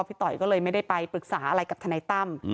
ต่อยก็เลยไม่ได้ไปปรึกษาอะไรกับทนายตั้ม